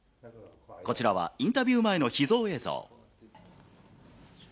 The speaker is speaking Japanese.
こちらはインタビュー前の秘蔵映像。